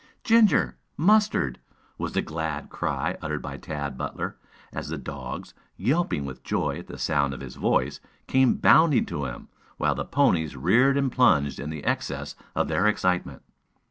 "Ginger! Mustard!" was the glad cry uttered by Tad Butler, as the dogs, yelping with joy at the sound of his voice, came bounding to him, while the ponies reared and plunged in the excess of their excitement.